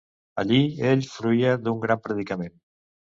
Allí, ell fruïa d'un gran predicament.